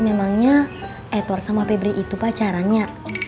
memangnya edward sama pebri itu pacarannya